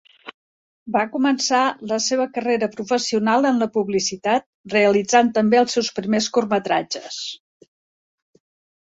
Va començar la seua carrera professional en la publicitat, realitzant també els seus primers curtmetratges.